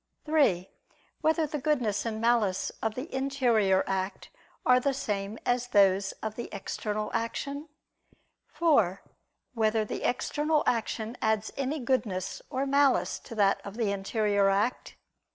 (3) Whether the goodness and malice of the interior act are the same as those of the external action? (4) Whether the external action adds any goodness or malice to that of the interior act?